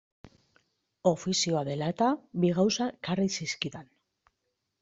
Ofizioa dela-eta, bi gauza ekarri zizkidan.